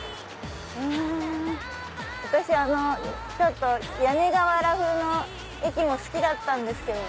私屋根瓦風の駅も好きだったんですけどね。